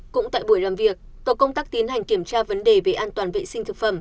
cũng tại buổi làm việc tổ công tác tiến hành kiểm tra vấn đề về an toàn vệ sinh thực phẩm